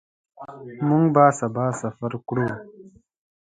موږ به سبا سفر وکړو.